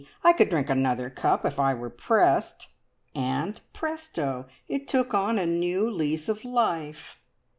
I could drink another cup if I were pressed," and presto! it took on a new lease of life.